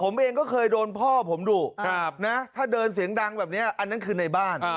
ผมเองก็เคยโดนพ่อผมดุนะถ้าเดินเสียงดังแบบนี้อันนั้นคือในบ้าน